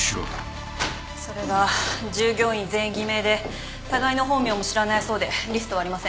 それが従業員全員偽名で互いの本名も知らないそうでリストはありません。